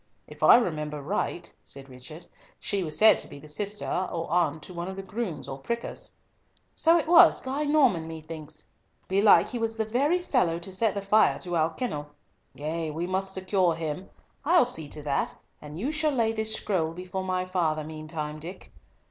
"If I remember right," said Richard, "she was said to be the sister or aunt to one of the grooms or prickers." "So it was, Guy Norman, methinks. Belike he was the very fellow to set fire to our kennel. Yea, we must secure him. I'll see to that, and you shall lay this scroll before my father meantime, Dick.